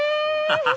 ハハハハ！